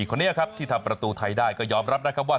คนนี้ครับที่ทำประตูไทยได้ก็ยอมรับนะครับว่า